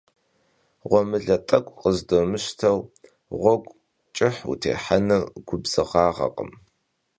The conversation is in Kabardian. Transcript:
Ğuemıle t'ek'u khızdomışteu ğuegu ç'ıh vutêhenır gubzığağekhım.